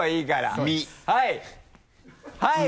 はい！